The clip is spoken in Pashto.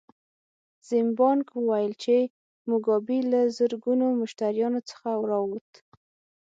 زیمبانک وویل چې موګابي له زرګونو مشتریانو څخه راووت.